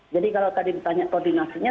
jadi kalau tadi ditanya koordinasinya